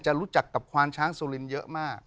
รู้จักกับควานช้างสุรินทร์เยอะมาก